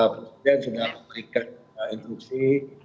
presiden juga memberikan instruksi